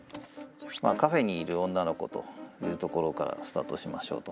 カフェにいる女の子というところからスタートしましょうと。